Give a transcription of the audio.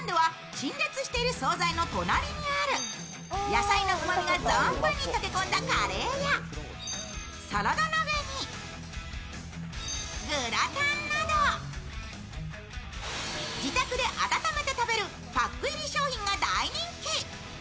野菜のうまみが存分に溶け込んだカレーや、サラダ鍋にグラタンなど、自宅で温めて食べるパック入り商品が大人気。